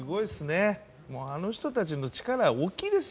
あの人たちの力が大きいですよ